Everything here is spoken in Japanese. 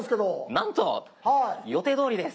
なんと！予定どおりです。